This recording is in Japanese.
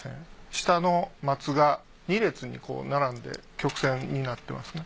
下の松が２列に並んで曲線になってますね。